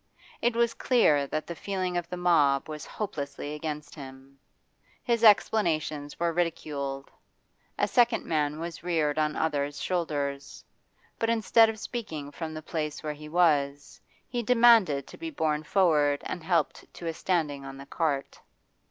It was clear that the feeling of the mob was hopelessly against him; his explanations were ridiculed. A second man was reared on others' shoulders; but instead of speaking from the place where he was, he demanded to be borne forward and helped to a standing on the cart.